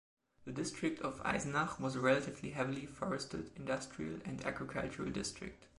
The district of Eisenach was a relatively heavily forested, industrial and agricultural district.